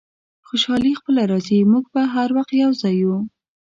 خوشحالي خپله راځي، موږ به هر وخت یو ځای یو.